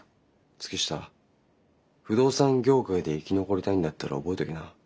月下不動産業界で生き残りたいんだったら覚えておきな。